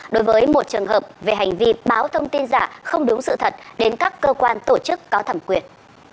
đối với một trường hợp về hành vi báo thông tin giả không đúng sự thật đến các cơ quan tổ chức có thẩm quyền